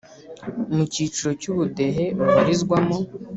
mucyiciro cy ubudehe babarizwamo